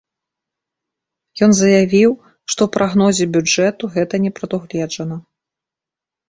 Ён заявіў, што ў прагнозе бюджэту гэта не прадугледжана.